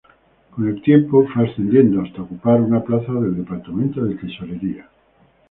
Con el tiempo fue ascendiendo, hasta ocupar una plaza del departamento de tesorería.